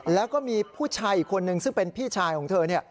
แล้วก็มีผู้ชายอีกคนนึงซึ่งเป็นพี่ชายของเธอ